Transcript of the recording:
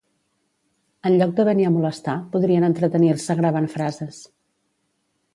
Enlloc de venir a molestar, podrien entretenir-se gravant frases.